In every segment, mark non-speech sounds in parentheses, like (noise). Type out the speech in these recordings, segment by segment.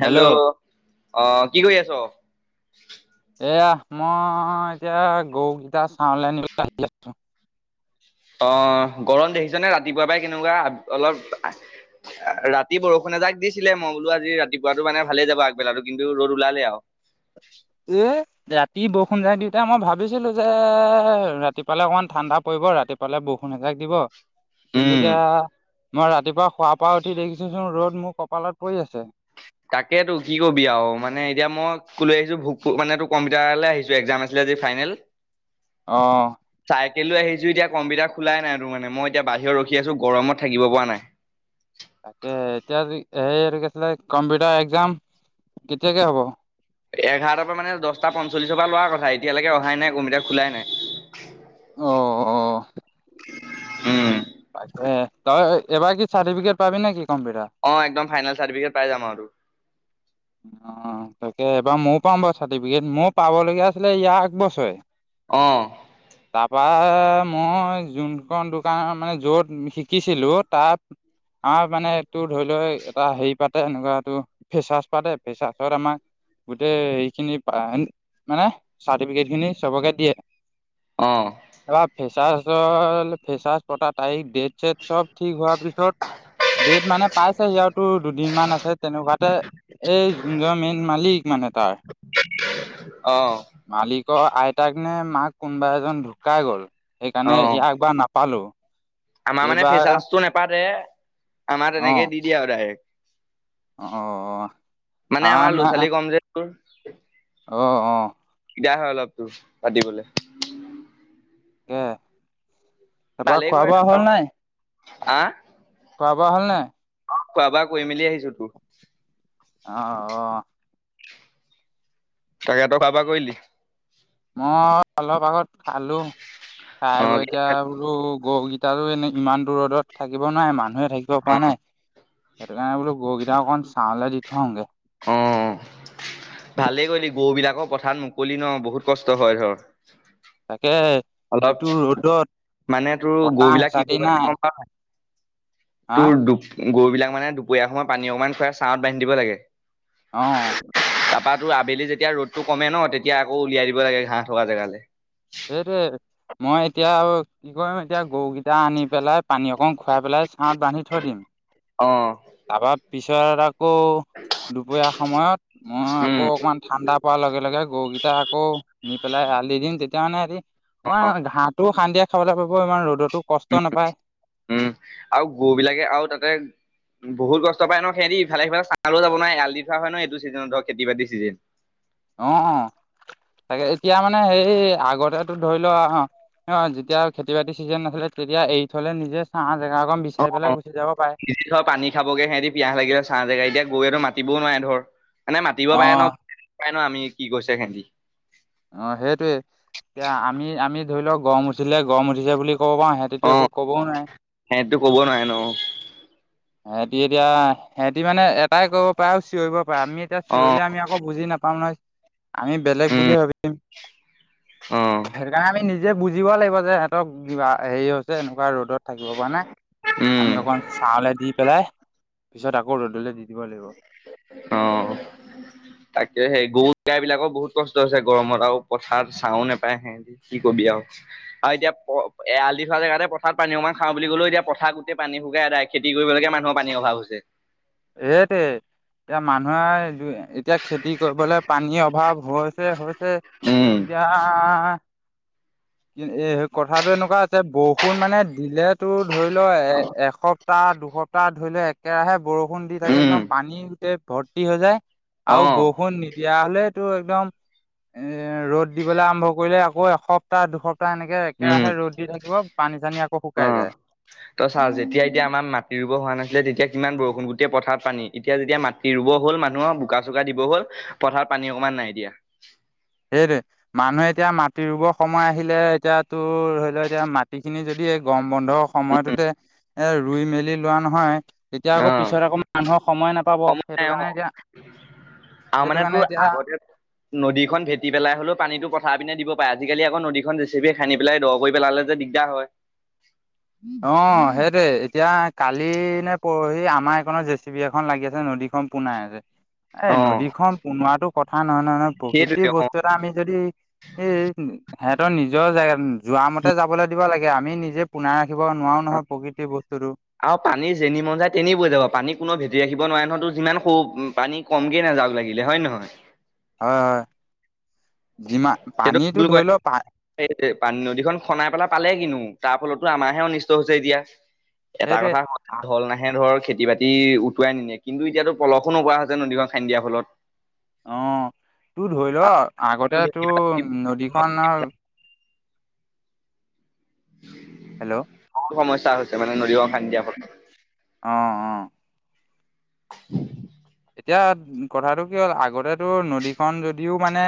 Hello অহ কি কৰি আছ? (inaudible) এয়া মই এতিয়া গৰুকেইটা চাহলে আনিব আহি আছোঁ। অ গৰম দেখিছনে ৰাতিপুৱা পাই কেনেকুৱা অলপ। ৰাতি বৰষুণ এযাক দিছিলে মই বোলো আজি ৰাতিপুৱাটো মানে ভালে যাব আগবেলাটো কিন্তু ৰ'দ ওলালে আৰু এ ৰাতি বহ যোন যাই দিউতাই মই ভাবিছিলো যে ৰাতিপুৱালে অকনমান ঠাণ্ডা পৰিব ৰাতিপুৱালে বৰষুণ এজাক দিব। কিন্তু উম এতিয়া মই ৰাতিপুৱা শুৱ পৰা উঠি দেখিছোচোন ৰ'দ মোৰ কপালত পৰি আছে। তাকে টো কি কবি আৰু মানে এতিয়া মই ক লৈ আহিছো ভোক মানে তোৰ কম্পিউটাৰলে আহিছো এক্জাম আছিলে। আজি ফাইনেল। অ। কেলৈ আহিছো এতিয়া কম্পিউটাৰ খোলাই নাই তোৰ মানে মই এতিয়া বাহিৰত ৰখি আছো গৰমত থাকিব পৰা নাই। তাকে এতিয়া সেইটো কি আছিলে কম্পিউটাৰ এক্জাম কেতিয়াকে হ'ব। এঘাৰটাৰ পৰা মানে দহটা পঞ্চল্লিশৰ পৰা লোৱাৰ কথা এতিয়ালৈকে অহাই নাই কম্পিউটা খোলাই নাই। অ অ উম তই এবাৰ কি চাৰ্টিফিকেট পাবি নেকি অ একদম ফাইনেল চাৰ্টিফিকেট পাই যাম আৰু তোৰ অ তাকে এইবাৰ মও পাম বাৰু চাৰ্টিফিকেট মোৰ পাব লগীয়া আছিলে ইয়াৰ একবছৰে, আহ তাৰপা মই যোনখন দোকানৰ মানে য'ত শিকিছিলো তাত আ মানে তোৰ ধৰি লোৱা এটা হেৰি পাতে এনেকুৱা টো ফেচাছ পাতে ফেচাছৰ আমাক গোটেই এই খিনি মানে চাৰ্টিফিকেট খিনি চবকে দিয়ে। অ এইবাৰ ফেচাছৰ ফেচাছ পতা তাৰিখ ডেট- চব ঠিক হোৱাৰ পিছত ডেট মানে পাইছেহি আৰু তোৰ দুদিন মান আছে তেনেকুৱাতে। এই যোন যোৱা মেইন মালিক মানে তাৰ। অ', মালিকৰ আইতাক নে মাক কোনোবা এজন ঢুকাই গল সেইকাৰণে অ', ইয়াক বা নাপালো। আমাৰ মানে এইবাৰ ফেচাচটো নেপাতে আমাৰ অ', তেনেকে দি দিয়ে আৰু ডাইৰেক্ট অ', অ', মানে আমাৰ ল'ৰা ছোৱালী কম যে তোৰ। অ-অ। দিগদাৰ হয় অলপ তোৰ পাতিবলে। তাকে, তাৰপা খোৱা-বোৱা হল নাই? আ? খোৱা বোৱা হ'ল নাই? খোৱা বোৱা কৰি মেলি আহিছো তোৰ। আহ অ। তাকে তই খোৱা বোৱা কৰিলি? মই অলপ আগত খালো খাই অ', বৈ কি এতিয়া খালি? বলো গৰুকেইটাও এনে ইমান ৰ'দত থাকিব নোৱাৰে মানুহে। থাকিব পৰা অ', নাই সেইটো কাৰণে বোলো গৰুকেইটা অকণমান চাহলে দি থৈ আহোঁগে। অ', আকৌ পথাৰাত মুকলি ন বহুত কষ্ট হয় ধৰ। তাকে অলপ এইটো ৰদত মানে তোৰ গৰু কটাহ বিলাক কি কৰিব হেচতি লাগে নাই। গম পাৱ হা তোৰ দু গৰু বিলাক মানে দুপৰীয়া সময়ত পানী অকমান খুৱাই ছাঁহত বান্ধি দিব লাগে। অ ত আবেলি যেতিয়া ৰ'দটো কমে ন তেতিয়া আকৌ উলিয়াই দিব লাগে ঘাঁহ থকা জেগালৈ। সেইটোৱে। মই এতিয়া কি কৰিম এতিয়া গৰুকেইটা আনি পেলাই পানী অকণ খুৱাই পেলাই ছাঁহত বান্ধি থৈ দিম। অঁ তাৰপা পিছত আকৌ দুপৰীয়া সময়ত মই উম। আকৌ অকমান ঠাণ্ডা পোৱাৰ লগে লগে গৰুকেইটা আকৌ নি পেলাই এয়াল দি ধিং তেতিয়া মানে হেৰি অ ওৱা ঘাঁহটোও শান্তিয়ে খাবলৈ পাব ইমান ৰ'দত। উ উম আৰু গৰু বিলাকে আৰু তাতে বহুত কষ্ট পায় ন। সেৰি ইফালে সিফালে চাবও যাব নোৱাৰে এৰাল দি থোৱা হয় ন। এইটো চিজনত ধৰ খেতি-বাতি চিজন। অ, তাকে এতিয়া মানে সেই আগতেতো ধৰি লোৱা আ অ, যেতিয়া খেতি-বাতি চিজন নাছিলে তেতিয়া এৰি থলে নিজে ছাত অ-অ থ পানী খাবগে সিহঁতি পিয়াহ লাগিলে। ছাহ জেগা এতিয়া গৰুৱেটো মাত মাতিবও নোৱাৰে ধৰ। এনে মাতিব অ পাৰে ন? (unintelligible) আমি কি কৈছে হেহেতি। অ, সেইটোৱে। এতিয়া আমি আমি ধৰি ল গৰম উঠিলে গৰম উঠিছে বুলি ক'ব পাও সিহঁতেটো অ একো কবও নোৱাৰে। সিহঁতিটো ক'ব নোৱাৰে ন সেহতি এতিয়া সেহতি মানে এটাই কৰিব পাৰে আৰু চিঞৰিব আমি এতিয়া অ চিঞৰিলে আমি আকৌ বুজি নাপাও নহয়। আমি বেলেগ উম বুলি ভাব (unintelligible) অ সেইকাৰণে আমি নিজ যে বুজিব লাগিব যে সিহঁতক কিবা হেৰি হৈছে এনেকুৱা ৰ'দত থাকিব পাৰা নাই। উম অকণমান ছালে দি পেলাই পিছত আকৌ ৰ'দলৈ দি দিব লাগিব। অ তাকে সেই গৰু, গাই বিলাকৰ বহুত কষ্ট হৈছে গৰমত। আৰু পথাৰত ছাও নেপায় সেহেতি কি কবি আৰু। আৰু এতিয়া প এয়াল দি থোৱা জেগাতে পথাৰত পানী অকমান খাওঁ বুলি গ'লেও এতিয়া পথাৰ গোটেই পানী শুকাই এদায় খেতি (unintelligible) মানুহৰ পানীৰ অভাৱ হৈছে। এ তেহেতে এতিয়া মানুহে দু এতিয়া খেতি কৰিবলৈ পানীৰ অভাৱ হৈছে, হৈছে। উম, এতিয়া কি এ কথাটো এনেকুৱা হৈছে বৰষুণ মানে দিলে তোৰ ধৰি ল এ এসপ সপ্তাহ, দুসপ্তাহ ধৰি ল একেৰাহে বৰষুণ দি থাকে, উম, একদম পানী গোটেই ভৰ্তি হৈ যায়। আও অ', বৰষুণ নিদিয়া হলে টো একদম এ ৰ'দ দিবলে আৰম্ভ কৰিলে আকৌ এসপ্তাহ, দুসপ্ত এনেকে উম, একেৰাহে ৰ'দ দি থাকিব। পানী-চানী আকৌ শুকাই যায়। ত চা যেতিয়া এতিয়া আমাৰ মাটিৰ হোৱা নাছিলে তেতিয়া কিমান বৰষুণ গোটেই পথাৰত পানী। এতিয়া যেতিয়া মাটি ৰুব হ'ল মানুহৰ, বোকা-চোকা দিব হ'ল। পথাৰত পানী অকমান নাই এতিয়া। সেইটোৱে মানুহে এতিয়া মাটি ৰুব সময় আহিলে এতিয়া তোৰ ধৰি লও এতিয়া মাটি খিনি যদি। কম বন্ধ সময়টোতে এ ৰুই মেলি লোৱা নহয়। তেতিয়া আকৌ অ', পিছত আকৌ মানুহৰ সময় নাপাব সময় সেইটো নাই কাৰণে অ', এতিয়া। আৰু সেইটো মানে কাৰণে তোৰ এতিয়া আগতে নদীখন ভেট- কাতি পেলাই হলেও পানীটো পথাৰ পিনে দিব পাৰে আজিকালি আকৌ নদীখন বেছিকৈ খানি পেলাই দ কৰি পেলালে যে দিগদাৰ হয়। (inaudible) অ, সেইটোৱে। এতিয়া কালি নে পৰ এই আমাৰ এইকনৰ জে চি বি এখন লাগি আছে, নদী খন পুনাই আছে। এই অ', নদীখন পোনোৱাটো কথা না নহয়, নহয়। প্ৰকৃতি সেইটোৱে অ', বস্তু এটা আমি যদি এই সেহঁতৰ নিজৰ জেগা যোৱা মতে যাবলৈ দিব লাগে। আমি নিজে পোনা অ আৰু পানীৰ যেনি মন যায় তেনি বৈ যাব। পানী কোনো ভেটি ৰাখিব দ নোৱাৰে ন। তোৰ যিমান সও পানী কমকে নাযাওক লাগিলে হয় নে নহয়? হয়, হয়। যিমান সেইটো পানীটো ভুল ধৰি কৰে লও পা (unintelligible) পানী নদীখন খনাই পেলাই পালে কিনো? তাৰ ফলত টো আমাৰহে অনিষ্ট হৈছে এতিয়া। এটা সেইটোৱে কথা হ ঢল নাহে ধৰ (unintelligible) খেতি-বাতি উটুৱাই নিনিয়ে। কিন্তু এতিয়াতো পলসো নোহোৱা হৈছে নদীখন খানি দিয়াৰ ফলত। অহ, তোৰ ধৰি ল আগতে তোৰ নদীখন হেল্ল' বহুত সমস্যা হৈছে মানে নদী খন খান্দি দিয়াৰ ফলত অ', অ'। (inaudible) এতিয়া কথাটো কি হ'ল আগতে তোৰ নদী খন যদিও মানে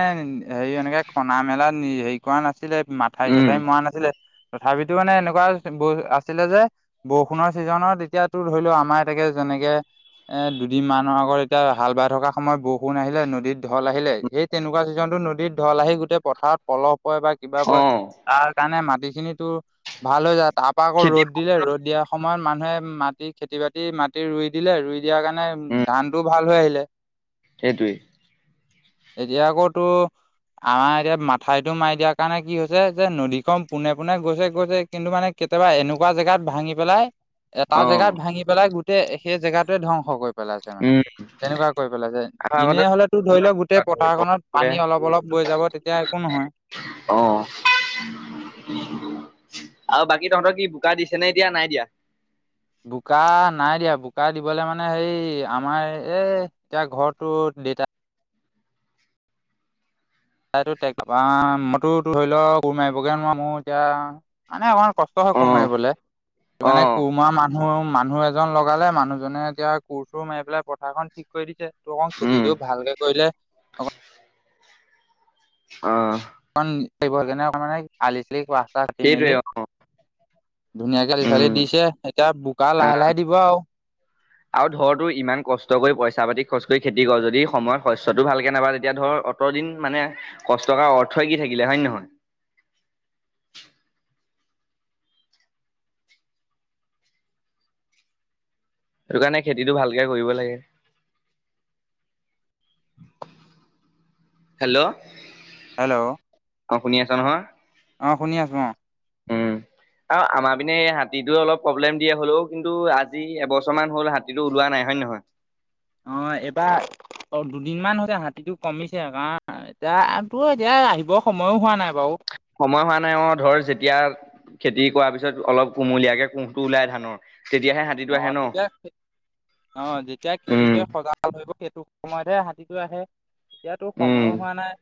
হেৰি এনেকে খনা মেলা হেৰি কৰা নাছিলে, মাথাই উম চাথাই মৰা নাছিলে তথাপিতো মানে এনেকুৱা আছিলে যে বৰষুণৰ ছিজনত এতিয়া তোৰ ধৰি ল আমাৰ (unintelligible) এনেকে এ দুদিন মান আগৰ এতিয়া হাল বাই থকা সময়ত বৰষুণ আহিলে নদীতঢল আহিলে সেই তেনেকুৱা ছিজনতো নদত ঢল আহি গৈ- গোতে পথাৰত পলহ, হয় বা কিবা অ পয় তাৰ কাৰণে মাটি খিনি ভাল হৈ যায়। তাৰ পৰা আকৌ খেতি ৰ'দ দিলে ৰ'দ, দিয়া সময়ত মানুহে মাটি খেতি, বাতি মাটি, ৰুই দিলে। ৰুই দিয়া কাৰণে উ- ভাল হৈ আহিলে সেইটোৱেই- এতিয়া আকৌতো আমাৰ এতিয়া মাথাইতটো মাৰি দিয়াৰ কাৰণে কি হৈছে। যে নদীখন, পোনে পোনে গৈছে গৈছে কিন্তু মানে- কেতিয়াবা এনেকুৱা জেগাত ভাঙি পেলাই। এটা অ জেগাত ভাঙি পেলাই গোটেই সেই জেগাটোৱে ধ্বংস কৰি পেলাই- উম তেনেকুৱা কৰি পেলাই যে আৰু আগতে এনেই হলেতো ধৰি লওক গোটেই পথাৰখনত পানী অলপ অলপ বৈ যাব তেতিয়া একো নহয়। হয়। অ আৰু বাকী তহঁতৰ কি বোকা দিছে নে এতিয়া নাই দিয়া। বোকা নাই দিয়া বোকা দিবলে মানে হে আমাৰ এ এতিয়া ঘৰটোত দেটা তাই মইতো ধৰি লও গোৰ মাৰিবগে নোৱাৰো মোৰ এতিয়া মনে আমাৰ- কষ্ট হয় কোৰ অ', মাৰিবলে সেই কাৰণে অ', কোৰমৰা মানুহৰ মানুহ এজন লগালে মানুহজনে এতিয়া কোৰ চোৰ মাৰি পেলাই পথাৰখনন ঠিক কৰি দিছে। অক উম, খেতিটো ভালকে কৰিলে অ অ অণ লাগিব যেনে অকমানে আলি চালি কাটি সেইটোৱে মেলি- অ', ধুনীয়াকে লিহাৰি উম। দিছে। এতিয়া বোকা লাহে অ', লাহে দিব আৰু আৰু ধৰ তো ইমান কষ্ট কৰি পইচা পাতি- খৰজ কৰি খেতি কৰ যদি সময়ত শস্যটো ভালকে নাপা তেতিয়া ধৰ অতদিন মানে কষ্ট কৰা অৰ্থই কি থাকে। (unintelligible) নিলা হয় নহয় সেইটো কাৰণে খেতিটো ভালকে কৰিব লাগে হেল্ল' হেল্ল' অ শুনি আছ নহয় অ শুনি আছো। অ উম আৰু আমাৰ পিনে হাতীটো, অলপ প্ৰব্লেম দিয়া হলেও কিন্তু আজি এবছৰমান হল হাতীটো ওলোৱা নাই হয়। হয় নে নহয়। অ এইবাৰ- অ দুদিনমান হৈছে হাতীটো কমিছে কাৰণ এতিয়া তো এতিয়া আহিবৰ সময়ো হোৱা নাই। বাৰু সময় হোৱা নাই অ ধৰ যেতিয়া- খেতি কৰাৰ পিছত অলপ কুমলীয়াকে কুঁহটো ওলাই ধানৰ, - অ যেতিয়া অ যেতিয়া উম, খেতিটোয়ে সজাগ হৈ সেইটো সময়তহে হাতীটো আহে এতিয়াতো উম। সময়ো হোৱা নাই।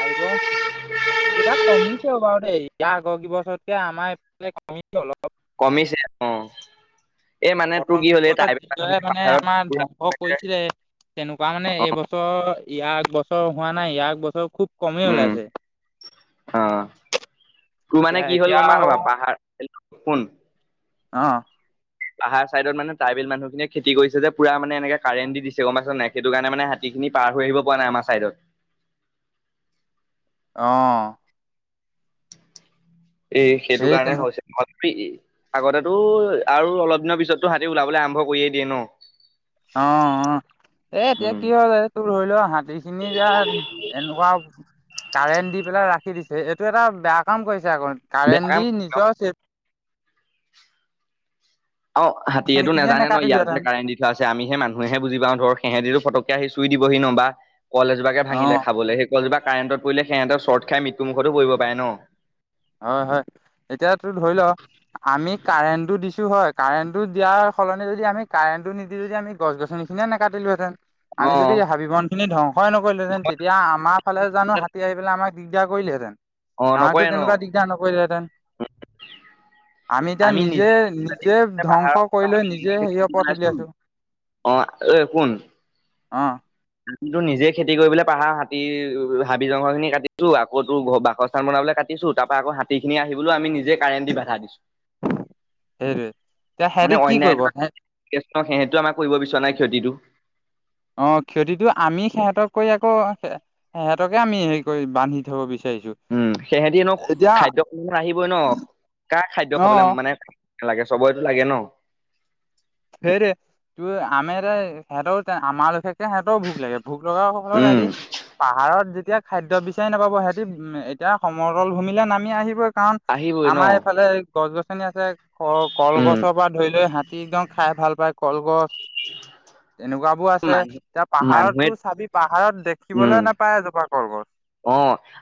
আহিব এইবাৰ কমিছে বাৰু দেই ইয়াৰ আগৰ ক বছৰকে আমাৰফালে কম অলপ কমিছে আ- প্ৰথমছ যিদৰে মানে আমাৰ পুৰা ধ্বংস মানে কৰিছে। তেনেকুৱা মানে অ এইবছৰ ইয়াৰ বছৰ হোৱা নাই ইয়াৰ বছৰ খুব। কমেই উম ওলাইছে অ তোৰ মানে এতিয়া কি হ'ল এতিয়া গম পাইও নে আৰু নাপাও পাহাৰ। শুন। অ। পাহাৰ চাইডত মানে ট্ৰাইেল মানুহখিনিয়ে খেতি কৰিছে যে পুৰা মানে এনেকে কাৰেণ্ট দি দিছে গম পাইছা নাই সেইটো কাৰণে হাতী,। সিখিনি পাৰ হৈ আহিব পৰা নাই আমাৰ চাইডত। অ। এ সেইটো সেই কাৰণে তেনো হৈছে (unintelligible) ম পি। আগতেটো আৰু অলপ দিনৰ পিছতো হাতী ওলাবলৈ আৰম্ভ কৰিয়ে দিয়ে ন। অ অ। এ এতিয়া উম কি হ'ল এই তোৰ ধৰি ল হাতী খিনি এতিয়া এনেকুৱা। কাৰেণ্ট দি পেলাই ৰাখি দিছে এইটো এটা বেয়া কাম কৰিছে আকৌ বেয়া কাৰেণ্ট কাম দি নিজৰ। অ গছনি হাতীয়েটো খিনিয়ে নাজানে ন ইয়াত যে নেকাটিলোহেঁতেন কাৰেণ্ট দি থোৱা আছে আমিহে মানু্হে বুজি পাওঁ ধৰ সেহেতিটো ফটককে। আহি চুই দিবহি ন বা কল এজোপাকে অ ভাঙিলে খাবলৈ সেই কলজোপাক। কাৰেণ্টত পৰিলে সিহঁতে শৰ্ট খাই মৃত্যুমুখতো পৰিব পাৰে ন। হয় হয় এতিয়াতো ধৰি ল আমি কাৰেণ্টটো দিছো। হয় কাৰেণ্টটো দিয়াৰ সলনি যদি আমি কাৰেণ্টটো নিদি যদি আমি গছ গছনিখিনিয়ে নাকাটিলোহেতেন। অ আমি যদি হাবি বন খিনি ধ্বংসই নকৰিলো হেঁতেন তেতিয়া আমাৰ ফালে জানো হাতী আহি পেলাই আমাক। দিগদা কৰিলে হেঁতেন। অ নকয়ে ন। দে দে। (unintelligible) আমি এতিয়া নিজে নিজে ধ্বংস কৰি লৈ নিজে সেই পথ পেলাইছো উলিয়াইছো। অ অই কোন। অ আমিটো নিজে খেতি কৰিবলৈ পাহাৰ হাতী হাবি জংঘল খিনি কাটিছো আকৌ তো ঘৰ বাসস্থান বন। কাটিছো তাৰ পৰা আকৌ হাতী খিনি আহিবলৈও আমি নিজে কাৰেণ্ট দি বাধা দিছো। সেইটোয়ে। মানে অন্যায় সেহেতিটো আমাৰ কৰিব বিচৰা নাই ক্ষতিটো। অ। ক্ষতিটো আমি সিহঁতক কৰি আকৌ সিহঁতকে আমি হেৰি কৰি বান্ধি থব বিচাৰো। উম সিহেঁতি নো খাদ্য আহিবই ন কাৰ খাদ্য অ খাবলৈ মানে। (unintelligible) লাগে চবতো লাগে ন। সেইটোৱে তোৰ আমি এ সিহঁতৰ আমাৰ লোকে সিহঁতৰ ভোক লাগে। ভোক লগা সকলৰ উম হেৰি পাহাৰত যে। এতিয়া খাদ্য বিচাৰি নাপাব সেতি এতিয়া সমতল ভূমিলে নামি আহিবই। কাৰণ আহিবই ন আমাৰ এইফালে গছ গছনি আছে ক উম কলগছৰ পৰা ধৰি লৈ হাতীদম। খাই ভাল পায় কলগছ। তেনেকুৱাবোৰ আছে মানুহ এতিয়া পাহাৰতো মানুহে চাবি পাহাৰত দেখিবলে উম নাপায় এজোপা। কলগছ অ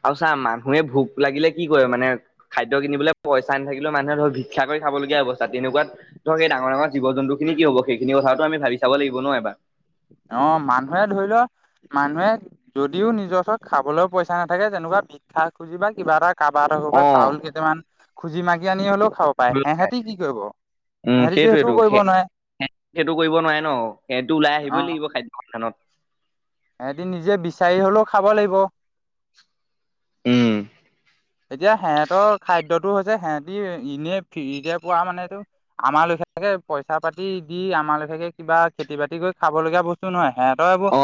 আৰু চা মানুহে ভোক লাগিলে কি কৰে মানে খাদ্য কিনিবলৈ পইচা নাথাকিলেও মানুহে। ধৰ ভিক্ষা কৰি খাবগীয়া অৱস্থা তেনেকুৱা ধৰ ডাঙৰ ডাঙৰ জীৱ জন্তু খিনি কি হ'ব সেইখিনি কথাওটো আমি ভাবি চাব লাগিব। ন এবাৰ। অ মানুহে ধৰি ল মানুহে যদিও নিজৰওপত খাবলৈ পইচা নাথাকে যেনে। এনেকুৱা ভিক্ষা খুজিবা বা কিবা এটা কাবা হত ঘৰ পা অ চাউল কেইটামান খুজি মাগি আনি হ'লেও। খাব পাই এসেতি কি কৰিব। উম সেহেঁতিতো সেইটোৱেই সেইটোও তো কৰিব সে নোৱাৰে সেইটো কৰিব নোৱাৰে ন সেহেঁতিটো ওলাই আহিব। কৰিব‌ই লাগিব খাদ্য সন্ধানত। সেতি নিজে বিচাৰি হলো খাব লাগিব। উম। তো হৈছে সেতি এনেই ফ্ৰীতে পোৱা মানেটো আমাৰ লিখিয়াকে পইচা পাতি দি। আমাৰ লিখিয়াকে কিবা খেতি বাতি কৰি খাব লগিয়া বস্ত নহয় সেয়া। হ এইবোৰ অ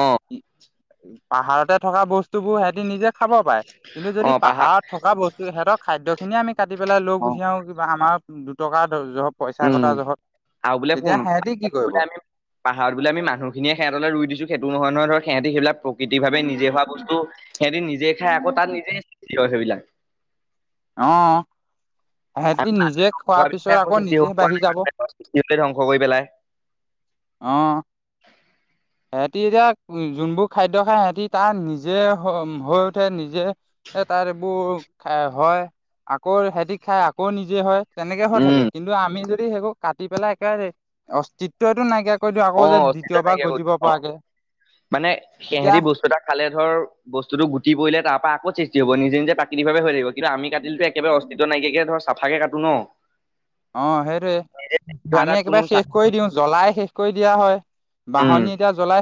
পাহাৰতে থকা বস্তু বোৰ সিহতি নিজে খাব পাৰে। কিন্তু অ যদি পাহাৰ পাহাৰত থকা বস্তু সিহঁতক খাদ্য খিনিয়ে আমি কাটি পেলাই লৈ অ গুচি যাওঁ কিবা আমাৰ উ দুটকা ধৰ পইচা উম ঘটা জহত আৰু বোলে তেতিয়া কোন সিহঁতি কি প কৰিব বোলে আমি পাহাৰত বোলে আমি মানুহখিনিয়ে সিহঁতলৈ ৰুই দিছো সেইটো নহয় ধৰ সিহতি সেই বিলাক প্ৰকৃতি ভাৱে নিজে হোৱা বস্তু সিহঁতি নিজে খাই আক তাত নিজে কি কছে বি (unintelligible) লাক অ সহতি নিজে খোৱাৰ পিছত আকৌ সৃষ্টি হ'ব নিজে পৰা বাঢ়ি যাব। নাই সৃষ্টি হলে ধ্বংস কৰি পেলাই আহ সিহতি এতিয়া উ যোনবোৰ খাদ্য খায় সিহতি তাৰ নিজে হৈ উঠে নিজে তাৰ এইবোৰ হয় আকৌ সিহতি খাই আকৌ নিজে হয়। তেনেকে হৈ থাকে উম কিন্তু আমি যদি সেইবোৰ কাতি পেলাই একে আকৌ অ যে অস্তিত্ব দ্বিতীয়বাৰ নাইকিয়া গজিব কৰিছে অ পৰাকে। মানে তেতিয়া সেহঁতি বস্তু এটা খালে ধৰ বস্তুতটো গুটি পৰিলে তাৰ পৰা আকৌ সৃষ্টি হ'ব নি। যে প্ৰাকৃতিকভাৱ হৈ থাকিব কিন্তু আমি কাটিলো একেবাৰে অস্তিত নাইকীয়াকে ধৰ চাফাকে কাটো ন অ সেইটোৱে ধৰা আমি তাত কোনো একেবাৰে চা শেষ কৰি দিও জ্বলাই শেষ কৰি দিয়া হয়। উম বাহনী এতিয়া জ্বলাই।